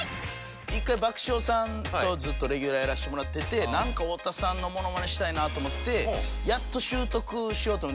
一回爆笑さんとずっとレギュラーやらせてもらっててなんか太田さんのモノマネしたいなと思ってやっと習得しようと。